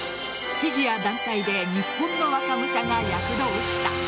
フィギュア団体で日本の若武者が躍動した。